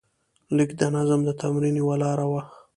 لیک د نظم د تمرین یوه لاره وه.